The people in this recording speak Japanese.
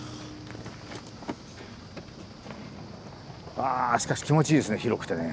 あしかし気持ちいいですね広くてね。